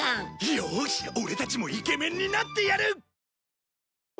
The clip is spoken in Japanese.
よーしオレたちもイケメンになってやる！